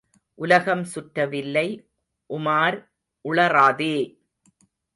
உலகம் சுற்றவில்லை உமார், உளறாதே!